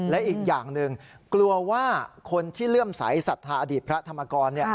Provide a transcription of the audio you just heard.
และอีกอย่างหนึ่งกลัวว่าคนที่เลื่อมใสสัทธาอดีตพระธรรมกร